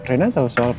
pencari itu apa